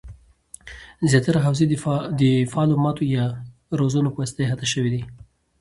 زیاتره حوزې د فعالو ماتو یا درزونو پواسطه احاطه شوي دي